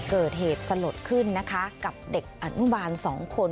เกิดเหตุสะลดขึ้นกับเด็กอันดุบัน๒คน